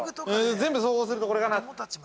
◆全部総合すると、これかな。